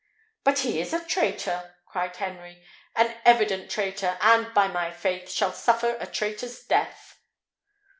"But he is a traitor," cried Henry; "an evident traitor; and, by my faith! shall suffer a traitor's death."